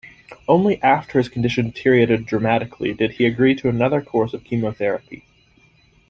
Only after his condition deteriorated dramatically did he agree to another course of chemotherapy.